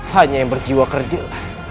hanya yang berjiwa kerjel